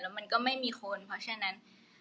มันก็ไม่มีคนเพราะฉะนั้น